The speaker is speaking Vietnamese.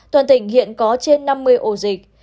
toàn tỉnh hiện có trên năm mươi ổ dịch